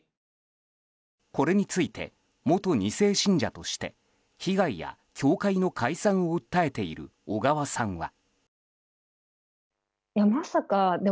これについて、元２世信者として被害や教会の解散を訴えている小川さんは。